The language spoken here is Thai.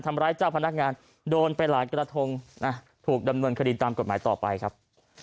ทำร้ายเจ้าพนักงานโดนไปหลายกระทงถูกดำเนินคดีตามกฎหมายต่อไปครับ